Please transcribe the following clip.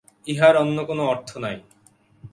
ইহার অন্য কোন অর্থ নাই।